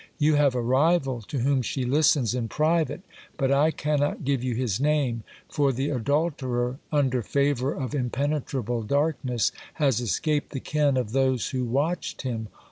You have a rival to whom she listens in private, but I cannot give you his name ; for the adulterer, under favour of impenetrable darkness, has escaped the ken of those who watched him.